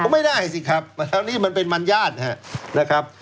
ไม่ได้ใช่ไหมครับไม่ได้สิครับแล้วนี้มันเป็นมัญญาตินะครับ